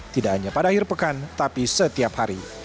tidak hanya pada akhir pekan tapi setiap hari